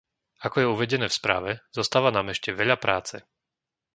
Ako je uvedené v správe, zostáva nám ešte veľa práce.